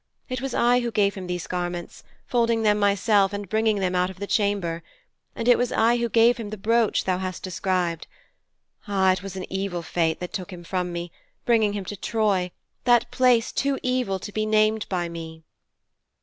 It was I who gave him these garments, folding them myself and bringing them out of the chamber. And it was I who gave him the brooch that thou hast described. Ah, it was an evil fate that took him from me, bringing him to Troy, that place too evil to be named by me.'